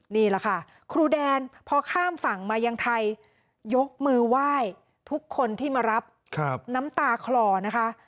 นี่แหละค่ะครูแดนพอข้ามฝั่งมายังไทยยกมือไหว้ทุกคนที่มารับน้ำตาคลอนะคะ